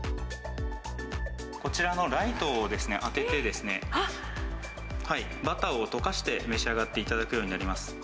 こちらのライトを当てて、バターを溶かして召し上がっていただくようになります。